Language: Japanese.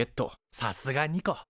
さすがニコ。